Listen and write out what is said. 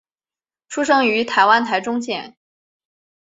出生于台湾台中县。